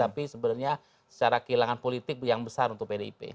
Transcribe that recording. tapi sebenarnya secara kehilangan politik yang besar untuk pdip